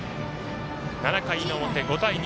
７回の表、５対２。